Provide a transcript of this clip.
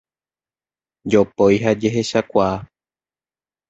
Jopói ha jehechakuaa.